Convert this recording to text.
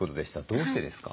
どうしてですか？